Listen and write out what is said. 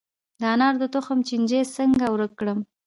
د انارو د تخم چینجی څنګه ورک کړم؟